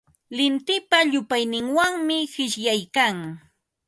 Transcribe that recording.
Lintipa llupayninwanmi qishyaykan.